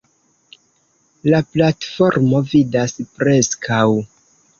La platformo vidas preskaŭ.